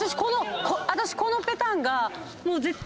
私このペタンがもう絶対。